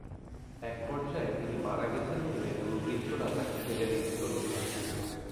একপর্যায়ে তিনি মারা গেছেন ভেবে দুর্বৃত্তরা তাঁকে ফেলে রেখে চলে যায়।